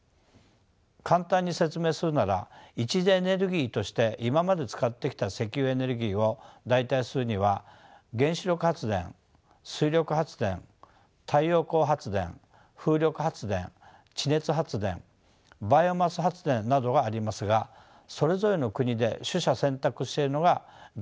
簡単に説明するなら一次エネルギーとして今まで使ってきた石油エネルギーを代替するには原子力発電水力発電太陽光発電風力発電地熱発電バイオマス発電などがありますがそれぞれの国で取捨選択しているのが現実です。